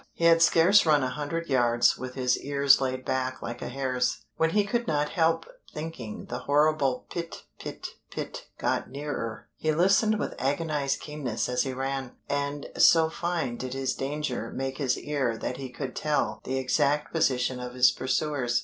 He had scarce run a hundred yards with his ears laid back like a hare's, when he could not help thinking the horrible pit pit pit got nearer; he listened with agonized keenness as he ran, and so fine did his danger make his ear that he could tell the exact position of his pursuers.